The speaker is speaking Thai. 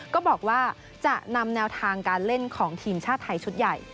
ก็บอกว่าจะนำแนวทางการเล่นของทีมชาติไทยชุดใหญ่